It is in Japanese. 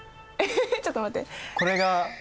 ちょっと待って。